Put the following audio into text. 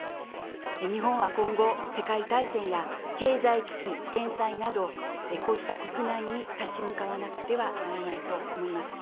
日本は今後、世界大戦や経済危機、天災など、こうした国難に立ち向かわなくてはならないと思います。